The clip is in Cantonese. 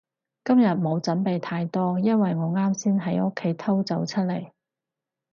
今日冇準備太多，因為我啱先喺屋企偷走出嚟